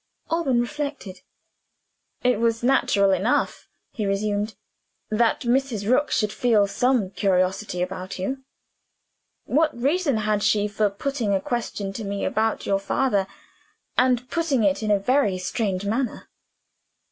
Alban reflected. "It was natural enough," he resumed, "that Mrs. Rook should feel some curiosity about You. What reason had she for putting a question to me about your father and putting it in a very strange manner?"